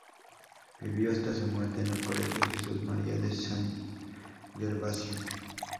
Vivió hasta su muerte en el Colegio Jesús-María de San Gervasio.